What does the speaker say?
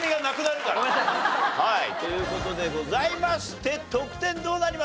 ごめんなさい！という事でございまして得点どうなりました？